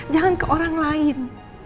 jangan ke orang lain